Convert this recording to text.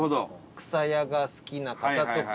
くさやが好きな方とか。